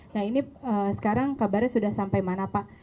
nah ini sekarang kabarnya sudah sampai mana pak